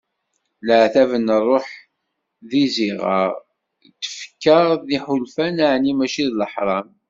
Leɛtab n ṛṛuḥ d yiziɣer, d tfekka d yiḥulfan aɛni mačči d leḥram?